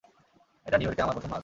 এটা, নিউ ইয়র্কে আমার প্রথম নাচ।